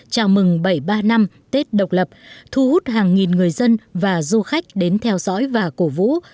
chào mừng bảy mươi ba năm tết độc lập thu hút hàng nghìn người dân và du khách đến theo dõi và cổ vũ